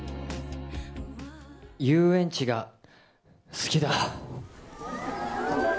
遊園地が好きだ！